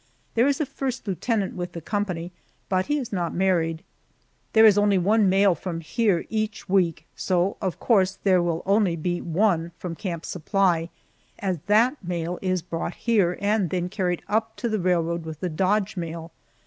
There is a first lieutenant with the company, but he is not married. There is only one mail from here each week, so of course there will be only one from Camp Supply, as that mail is brought here and then carried up to the railroad with the Dodge mail.